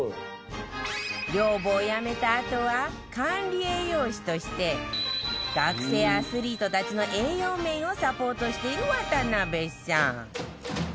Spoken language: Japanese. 寮母を辞めたあとは管理栄養士として学生アスリートたちの栄養面をサポートしている渡邊さん